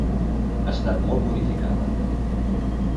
Ha estat molt modificada.